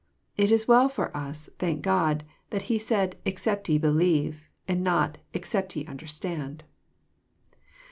It is well for us, thank God, that He said ex cept ye believe, and not except ye understand.